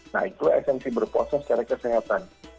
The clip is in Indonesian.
nah itulah esensi berpuasa secara kesehatan